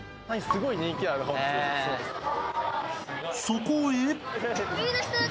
［そこへ］